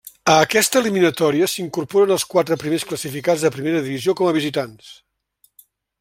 A aquesta eliminatòria s'incorporen els quatre primers classificats de Primera Divisió com a visitants.